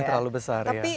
gak terlalu besar ya